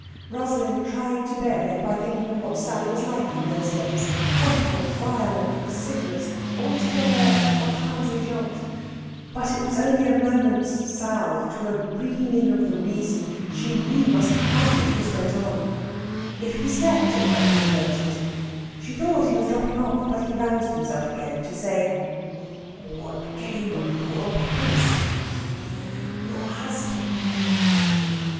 Rosalind tried to bear it by thinking of what Sally was like in those days, crumpled, violent, vociferous, altogether intransigeante. But it was only a moment's salve to a reeling of the reason she knew must come if this went on. If he slept it might be averted. She thought he was dropping off, but he roused himself again to say: "What became of poor Palliser your husband?"